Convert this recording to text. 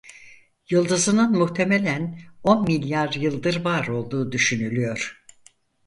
Yıldızının muhtemelen on milyar yıldır var olduğu düşünülüyor.